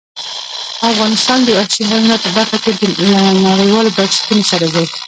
افغانستان د وحشي حیواناتو برخه کې له نړیوالو بنسټونو سره دی.